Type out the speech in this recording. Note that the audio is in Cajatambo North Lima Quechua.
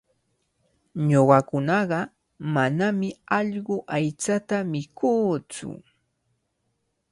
Ñuqakunaqa manami allqu aychata mikuutsu.